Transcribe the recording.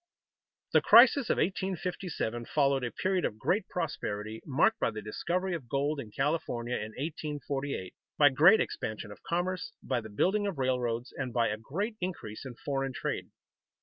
The crisis of 1857 followed a period of great prosperity marked by the discovery of gold in California in 1848, by great expansion of commerce, by the building of railroads, and by a great increase in foreign trade.